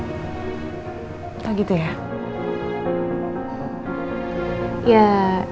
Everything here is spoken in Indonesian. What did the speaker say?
terus itu perempuan itu perempuan maksudnya al